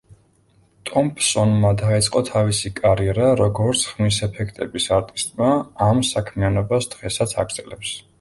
ტომპსონმა დაიწყო თავისი კარიერა, როგორც ხმისეფექტების არტისტმა, ამ საქმიანობას დღესაც აგრძელბს.